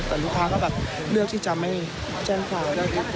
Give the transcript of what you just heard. แต่ลูกค้าก็แบบเลือกที่จะไม่แจ้งความ